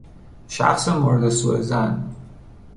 شخص مورد سوظن